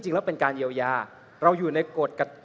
คุณเขตรัฐพยายามจะบอกว่าโอ้เลิกพูดเถอะประชาธิปไตย